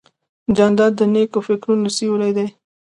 جانداد د نیکو فکرونو سیوری دی.